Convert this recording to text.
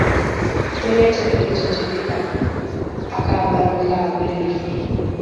onye e chibere echichi dịka 'Akaamalu nke Aguleri.'